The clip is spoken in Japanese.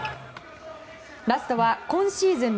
ラストは今シーズンの